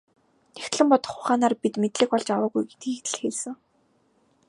Нягтлан бодох ухаанаар бид мэдлэг олж аваагүй гэдгийг л хэлсэн.